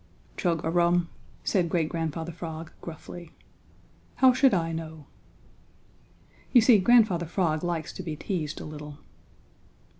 "Chug a rum," said Great Grandfather Frog, gruffly, "how should I know?" You see, Grandfather Frog likes to be teased a little.